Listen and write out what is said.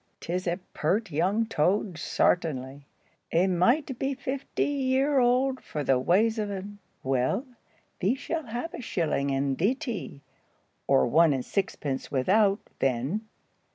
"'Tis a peart young toad, sartinly. A might be fifty year old, for the ways of un. Well, thee shall have a shilling and thee tea, or one and sixpence without, then."